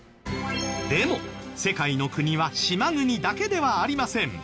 でも世界の国は島国だけではありません。